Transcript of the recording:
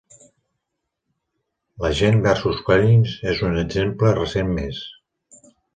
"La gent versus Collins" és un exemple recent més.